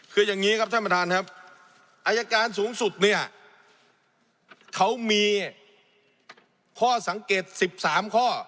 คืออย่างนี้ครับท่านประธานครับอายการสูงสุดเนี่ยเขามีข้อสังเกต๑๓ข้อ